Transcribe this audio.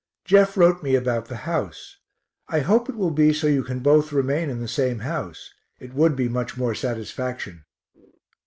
Jeff wrote me about the house. I hope it will be so you can both remain in the same house; it would be much more satisfaction....